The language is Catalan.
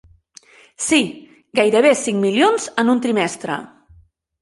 Sí, gairebé cinc mil milions en un trimestre!